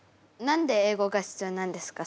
何で英語が必要なんですか？